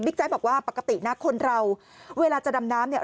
บิ๊กแจ็ตบอกว่าปกตินะคนเราเวลาจะดำน้ำ